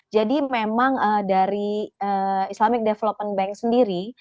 jadi memang dari isdb sendiri